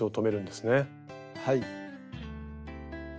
はい。